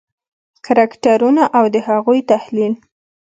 کرکټرونه او د هغوی تحلیل: